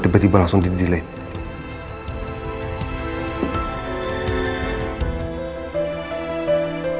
tiba tiba langsung di delay